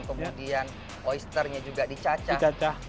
kemudian oisternya juga dicacah